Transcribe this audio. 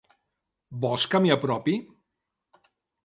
Vols que m'hi apropi?